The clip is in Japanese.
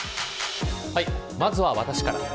まずは私から。